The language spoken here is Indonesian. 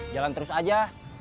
jalan terus aja